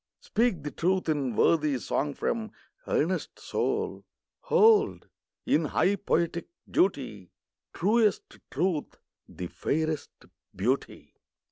speak the truth in Worthy song from earnest soul ! Hold, in high poetic duty, Truest Truth the fairest Beauty!